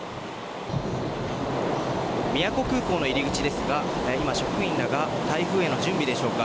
宮古空港の入り口ですが今、職員らが台風への準備でしょうか